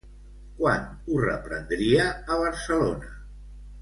Quan ho reprendria a Barcelona?